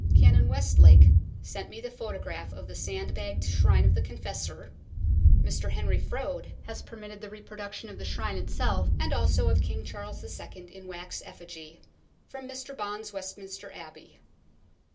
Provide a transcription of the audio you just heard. Canon Westlake sent me the photograph of the sandbagged Shrine of the Confessor ; Mr Henry Froude has permitted the reproduction of the Shrine itself, and also of King Charles II. in wax effigy, from Mr Bond's Westminster Abbey.